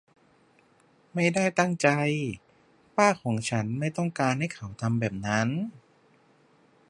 ไม่ได้ตั้งใจ ป้าของฉันไม่ต้องการให้เขาทำแบบนั้น